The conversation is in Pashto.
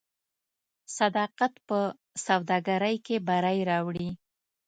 صداقت په سوداګرۍ کې بری راوړي.